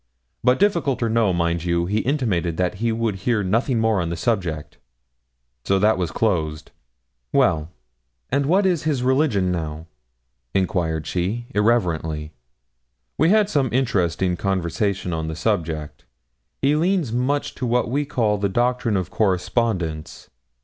But difficult or no, mind you, he intimated that he would hear nothing more on the subject so that was closed.' 'Well; and what is his religion now?' inquired she, irreverently. 'We had some interesting conversation on the subject. He leans much to what we call the doctrine of correspondents.